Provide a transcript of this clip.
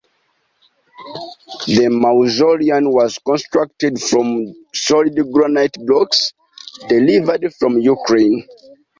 The mausoleum was constructed from solid granite blocks, delivered from the Ukraine.